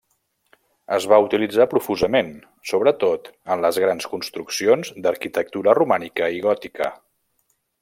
Es va utilitzar profusament, sobretot, en les grans construccions d'arquitectura romànica i gòtica.